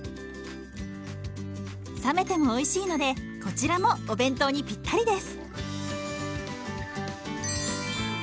冷めてもおいしいのでこちらもお弁当にピッタリです。